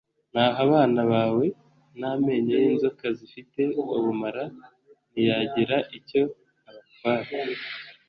naho abana bawe, n'amenyo y'inzoka zifite ubumara ntiyagira icyo abatwara